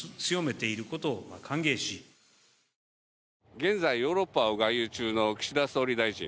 現在、ヨーロッパを外遊中の岸田総理大臣。